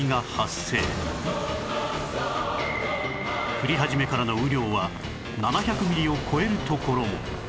降り始めからの雨量は７００ミリを超えるところも